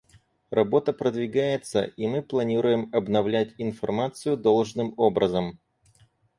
Работа продвигается, и мы планируем обновлять информацию должным образом.